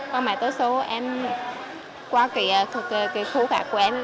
còn mà tối số em qua cái khu gạc quen